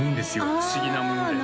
不思議なものであ